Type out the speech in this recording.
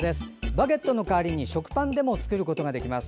バゲットの代わりに食パンでも作ることができます。